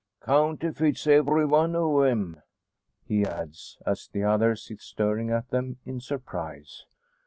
"Counterfeits every one o' 'em!" he adds, as the other sits staring at them in surprise.